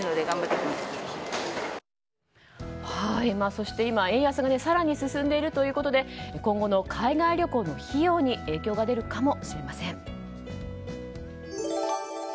そして今、円安が更に進んでいるということで今後の海外旅行の費用に影響が出るかもしれません。